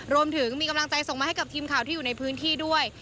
รวมถึงมีกำลังใจส่งมาให้กับทีมข่าวที่อยู่ในพื้นที่ด้วย